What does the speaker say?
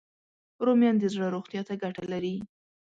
رومیان د زړه روغتیا ته ګټه لري